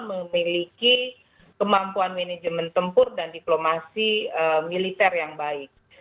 memiliki kemampuan manajemen tempur dan diplomasi militer yang baik